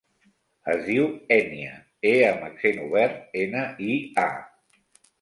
Es diu Ènia: e amb accent obert, ena, i, a.